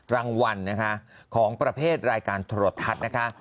รางวัลนะคะของประเภทรายการโทรทัศน์นะคะ